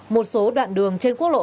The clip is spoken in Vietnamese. một số đoạn đường trên quốc lộ ba mươi hai